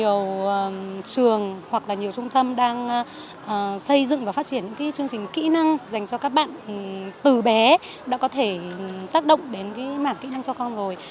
nhiều trường hoặc là nhiều trung tâm đang xây dựng và phát triển những chương trình kỹ năng dành cho các bạn từ bé đã có thể tác động đến cái mảng kỹ năng cho con rồi